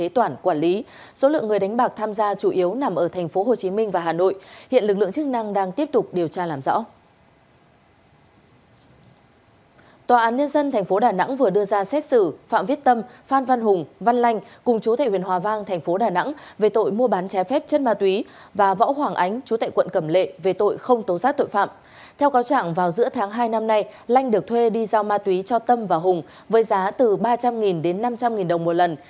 trong cao trạng vào giữa tháng hai năm nay lanh được thuê đi giao ma túy cho tâm và hùng với giá từ ba trăm linh đến năm trăm linh đồng một lần